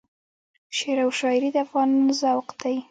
شعر او شایري د افغانانو ذوق دی.